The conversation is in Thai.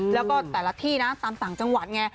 แล้วก็แต่ละที่ตามสหมดจังหวัดเนี่ย